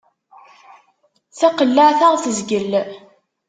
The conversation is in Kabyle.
Taqellaɛt ad aɣ-tezgel.